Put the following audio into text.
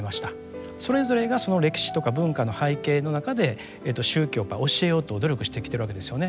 それぞれがその歴史とか文化の背景の中で宗教をやっぱり教えようと努力してきてるわけですよね。